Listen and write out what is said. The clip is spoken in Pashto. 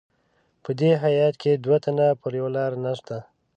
په دې هیات کې دوه تنه پر یوه لار نسته.